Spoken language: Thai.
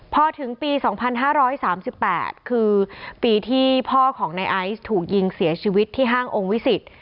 พอถึงปี๒๕๓๘คือปีที่พ่อของในไอซ์ถูกยิงเสียชีวิตที่ห้างองค์วิสิต